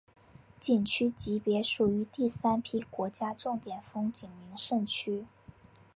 景区级别属于第三批国家重点风景名胜区。